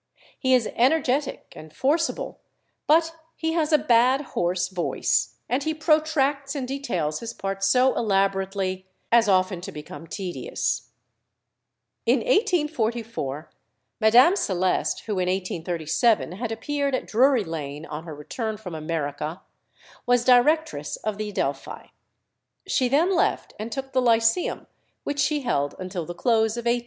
He is energetic and forcible, but he has a bad hoarse voice, and he protracts and details his part so elaborately as often to become tedious. In 1844 Madame Celeste, who in 1837 had appeared at Drury Lane on her return from America, was directress of the Adelphi. She then left and took the Lyceum, which she held until the close of 1860 1.